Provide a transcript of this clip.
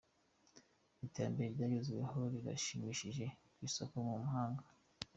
Iterambere ryagezweho rirashimishije, ni isomo ku mahanga.